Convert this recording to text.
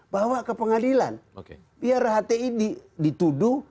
bawa ke pengadilan biar hti dituduh